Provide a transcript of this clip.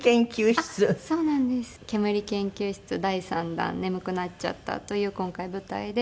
ケムリ研究室第３弾『眠くなっちゃった』という今回舞台で。